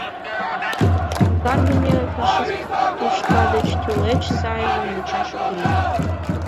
— Каргыме фашист тӱшка деч тулеч сайжым вучаш ок лий.